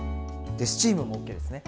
でスチームもＯＫですね。